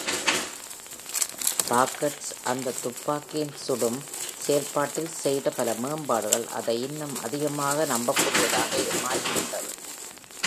Parkhurst, அந்தத் துப்பாக்கியின் சுடும் செயல்பாட்டில் செய்த பல மேம்பாடுகள், அதை இன்னும் அதிகமாக் நம்பக்கூடியதாக மாற்றிவிட்டது.